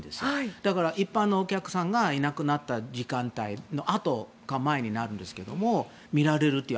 だから、一般のお客さんがいなくなった時間のあとか前になるんですが見られるという。